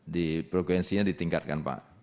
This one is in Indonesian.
di provinsinya ditingkatkan pak